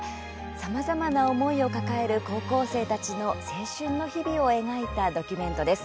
さまざまな思いを抱える高校生たちの青春の日々を描いたドキュメントです。